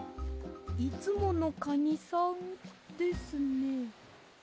いつものカニさんですね。